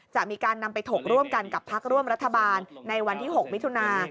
จะมีการนำไปถกร่วมกันกับพักร่วมรัฐบาลในวันที่๖มิถุนา